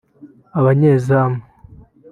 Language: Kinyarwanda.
Abanyezamu